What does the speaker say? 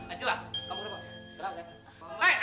aduh lah kamu kenapa